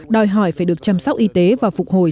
đòi hỏi phải được chăm sóc y tế và phục hồi